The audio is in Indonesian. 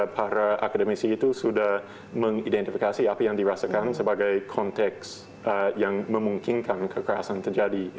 para akademisi itu sudah mengidentifikasi apa yang dirasakan sebagai konteks yang memungkinkan kekerasan terjadi